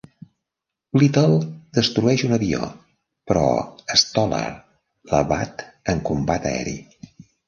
Little destrueix un avió, però Stoller l'abat en combat aeri.